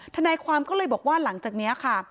ทนายความก็เลยบอกว่าหลังจากนี้ค่ะ